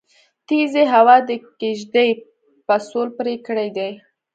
تيزې هوا د کيږدۍ پسول پرې کړی دی